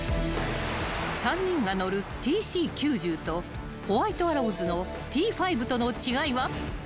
［３人が乗るＴＣ−９０とホワイトアローズのＴ−５との違いは］